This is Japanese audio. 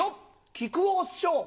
木久扇師匠。